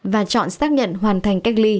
và chọn xác nhận hoàn thành